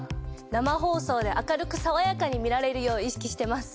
生放送で明るくさわやかに見られるよう意識してます。